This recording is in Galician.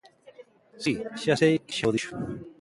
Si, xa sei que xa o dixo.